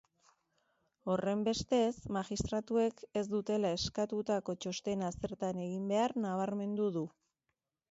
Horrenbestez, magistratuek ez dutela eskatutako txostena zertan egin behar nabarmendu du.